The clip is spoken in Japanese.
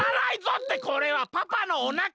ってこれはパパのおなか！